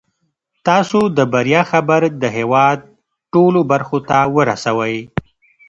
تاسو د بریا خبر د هیواد ټولو برخو ته ورسوئ.